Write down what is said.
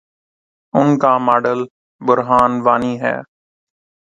ان کا ماڈل برہان وانی ہے۔